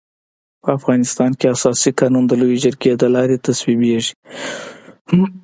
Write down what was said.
په افغانستان کي اساسي قانون د لويي جرګي د لاري تصويبيږي.